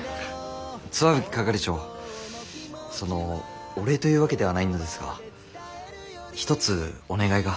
石蕗係長そのお礼というわけではないのですが一つお願いが。